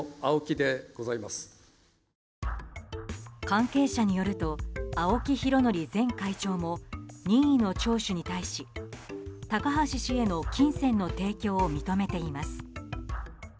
関係者によると青木拡憲前会長も任意の聴取に対し高橋氏への金銭の提供を認めています。